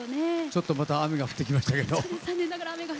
ちょっと、また雨が降ってきましたけど。